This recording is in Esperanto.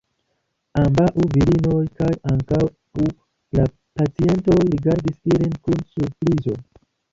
Ambau virinoj kaj ankau la pacientoj rigardis ilin kun surprizo.